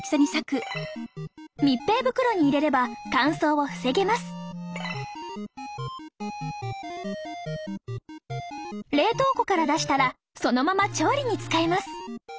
密閉袋に入れれば乾燥を防げます冷凍庫から出したらそのまま調理に使えます